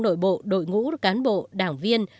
nội bộ đội ngũ cán bộ đảng viên